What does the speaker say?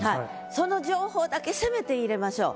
その情報だけせめて入れましょう。